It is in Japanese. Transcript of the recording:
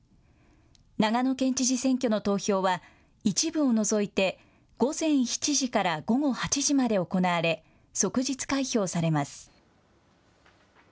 長野県知事選挙の投票は、一部を除いて午前７時から午後８時まで行われ、即日開票されます。